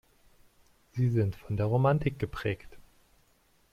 Sie sind von der Romantik geprägt.